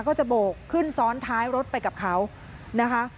ก็จะโบกขึ้นซ้อนท้ายรถไปกับเขานะคะ